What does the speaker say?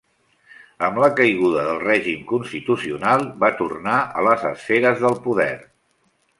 Amb la caiguda del règim constitucional, va tornar a les esferes del poder.